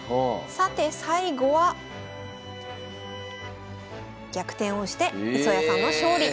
さて最後は逆転をして磯谷さんの勝利。